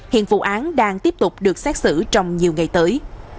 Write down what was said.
hiện vụ án đang tiếp tục được xét xử trong nhiều ngày tới